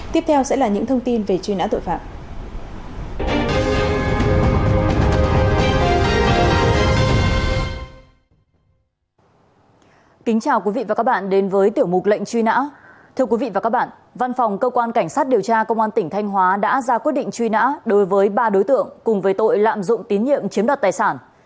tiếp theo sẽ là những thông tin về truy nã tội phạm